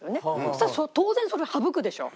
そしたら当然それ省くでしょ？